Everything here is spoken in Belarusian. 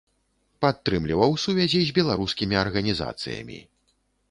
Падтрымліваў сувязі з беларускімі арганізацыямі.